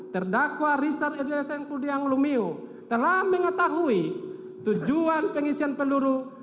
terdakwa richard eliezen kudiang lumiu telah mengetahui tujuan pengisian peluru